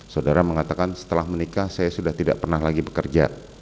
saudara mengatakan setelah menikah saya sudah tidak pernah lagi bekerja